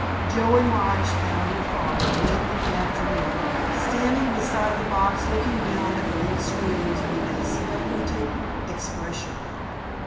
Joe and Lige found their father, late in the afternoon, standing beside the box looking down at the little squealers with a speculative expression.